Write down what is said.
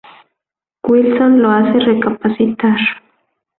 Wilson lo hace recapacitar.